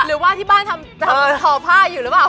หรือว่าที่บ้านทำห่อผ้าอยู่หรือเปล่า